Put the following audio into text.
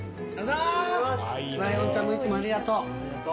ライオンちゃんもいつもありがとう。